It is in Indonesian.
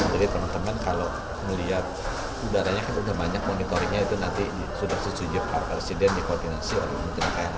jadi teman teman kalau melihat udaranya kan sudah banyak monitorinya itu nanti sudah sesujuk paru paru sedang dikoordinasi oleh menteri kf